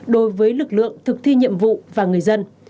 đối với lực lượng thực thi nhiệm vụ và người dân